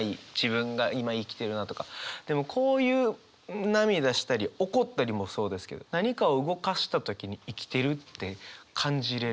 でもこういう涙したり怒ったりもそうですけど何かを動かした時に生きてるって感じれる。